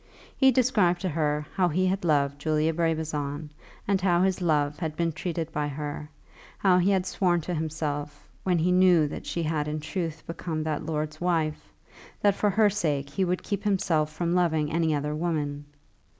He described to her how he had loved Julia Brabazon, and how his love had been treated by her; how he had sworn to himself, when he knew that she had in truth become that lord's wife, that for her sake he would keep himself from loving any other woman.